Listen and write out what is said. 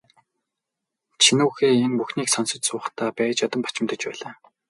Чинүүхэй энэ бүхнийг сонсож суухдаа байж ядан бачимдаж байлаа.